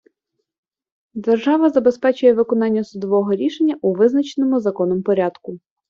Держава забезпечує виконання судового рішення у визначеному законом порядку.